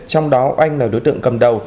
trong đó oanh là đối tượng cầm đầu